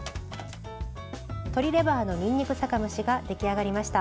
鶏レバーのにんにく酒蒸しが出来上がりました。